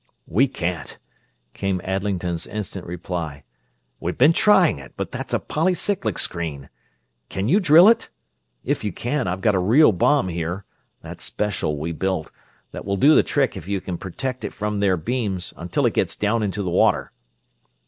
"We can't," came Adlington's instant reply. "We've been trying it, but that's a polycyclic screen. Can you drill it? If you can, I've got a real bomb here that special we built that will do the trick if you can protect it from their beams until it gets down into the water."